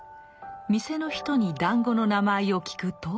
店の人に団子の名前を聞くと。